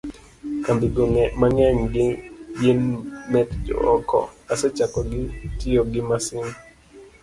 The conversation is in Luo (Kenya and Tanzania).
kambigo mang'eny gi gin mekjo oko, asechako gi tiyo gi masin